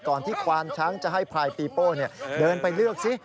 ก่อนที่ความช้างจะให้พลายปีโป้เนี่ยเดินไปเลือกซิ